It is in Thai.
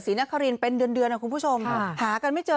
สีน่าคลินเป็นเดือนเดือนอ่อครูผู้ชมพากันไม่เจอ